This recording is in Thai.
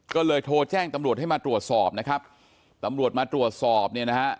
ก็เลยโทรแจ้งตำรวจให้มาตรวจสอบนะครับตำรวจมาตรวจสอบเนี่ยนะฮะ